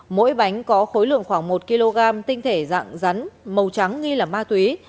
mỗi bánh có khối lượng khoảng một kg tinh thể dạng rắn màu trắng nghi là ma túy